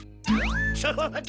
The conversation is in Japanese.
そうだ。